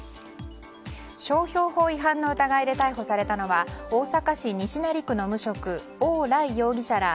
商標法違反の疑いで逮捕されたのは大阪市西成区の無職オウ・ライ容疑者ら